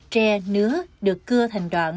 tre nứa được cưa thành đoạn